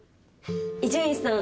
伊集院さん